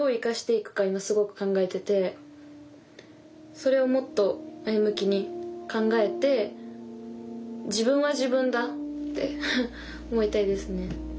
それをもっと前向きに考えて自分は自分だって思いたいですね。